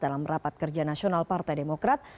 dalam rapat kerja nasional partai demokrat